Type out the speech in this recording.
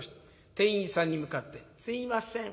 店員さんに向かって「すいません。